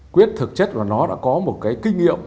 quyết thực chất là nó đã có một cái kinh nghiệm